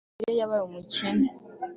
yari umukire yabaye umukene